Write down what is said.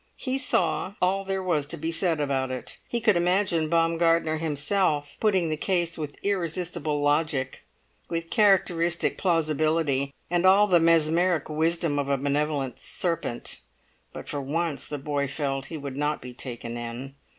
He saw all there was to be said about it; he could imagine Baumgartner himself putting the case with irresistible logic, with characteristic plausibility, and all the mesmeric wisdom of a benevolent serpent; but for once, the boy felt, he would not be taken in.